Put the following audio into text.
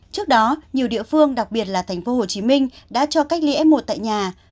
trước đó nhiều địa phương đặc biệt là tp hcm đã cho cách ly s một tại nhà